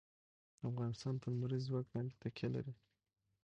افغانستان په لمریز ځواک باندې تکیه لري.